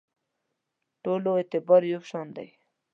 ټولو اعتبار یو شان دی.